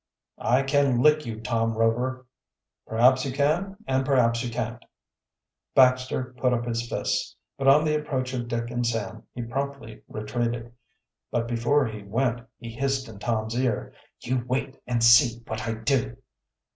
"I can lick you, Tom Rover!" "Perhaps you can and perhaps you can't." Baxter put up his fists, but on the approach of Dick and Sam he promptly retreated. But before he went he hissed in Tom's ear: "You wait, and see what I do!"